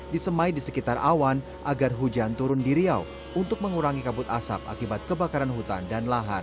disemai di sekitar awan agar hujan turun di riau untuk mengurangi kabut asap akibat kebakaran hutan dan lahan